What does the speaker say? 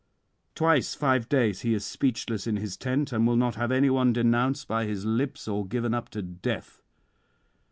Twice five days he is speechless in his tent, and will not have any one denounced by his lips, or given up to death.